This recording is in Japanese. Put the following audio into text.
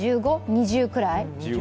２０くらい？